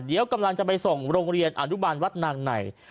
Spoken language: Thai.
เดี๋ยวกำลังจะไปส่งโรงเรียนอนุบาลวัดนางใน